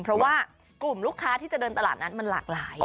เพราะว่ากลุ่มลูกค้าที่จะเดินตลาดนั้นมันหลากหลาย